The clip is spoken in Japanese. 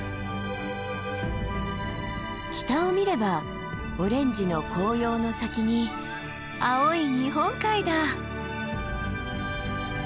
北を見ればオレンジの紅葉の先に青い日本海だ。